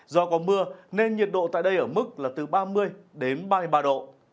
do có mưa nên nhiệt độ tại đây ở mức là từ ba mươi đến ba mươi ba độ